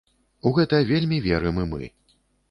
У гэта вельмі верым і мы.